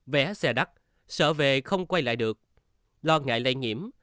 vé xe đắt sợ về không quay lại được lo ngại lây nhiễm